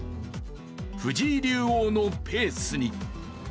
藤井竜王のペースに。